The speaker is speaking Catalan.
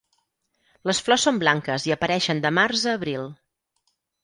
Les flors són blanques i apareixen de març a abril.